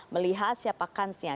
melihat siapa kansnya